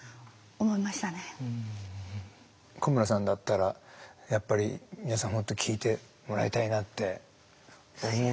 古村さんだったらやっぱり皆さんもっと聞いてもらいたいなって思うと。